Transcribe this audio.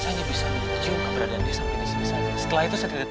saya hanya mahu bayangkan dimana aku pernah menjumpai welcome room